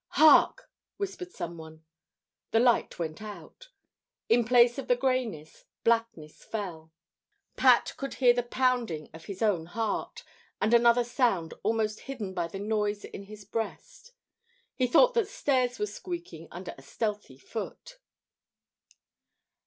"Hark!" whispered someone. The light went out. In place of the greyness, blackness fell. Pat could hear the pounding of his own heart, and another sound almost hidden by the noise in his breast. He thought that stairs were squeaking under a stealthy foot.